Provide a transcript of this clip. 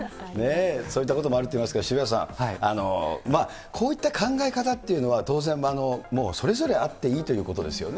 そういったこともあるっていいますけど、渋谷さん、こういった考え方っていうのは、当然もうそれぞれあっていいということですよね。